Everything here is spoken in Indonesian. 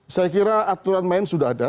saya kira aturan main sudah ada